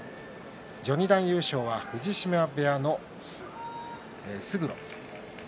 序二段優勝は藤島部屋の勝呂。